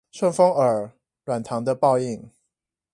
順風耳軟糖的報應